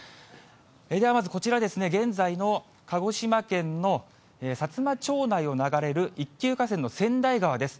ではまずこちらですね、現在の鹿児島県の薩摩町内を流れる一級河川の川内川です。